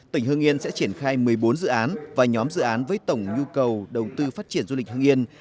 tỉnh hưng yên sẽ triển khai một mươi bốn dự án và nhóm dự án với tổng nhu cầu đầu tư phát triển du lịch hưng yên